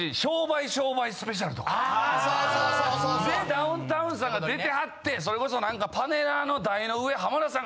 ダウンタウンさんが出てはってそれこそ何かパネラーの台の上。